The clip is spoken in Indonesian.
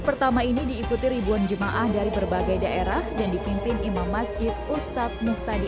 pertama ini diikuti ribuan jemaah dari berbagai daerah dan dipimpin imam masjid ustadz muhtadi